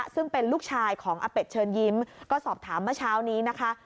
ซึ่งเป็นลูกชายของอเป็ดเชิญยิ้มก็สอบถามเมื่อเช้านี้นะคะ